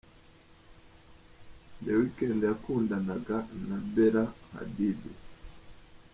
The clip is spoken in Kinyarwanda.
The Weeknd yakundanaga na Bella Hadid.